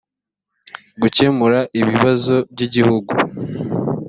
gukemura ibibazo by igihugu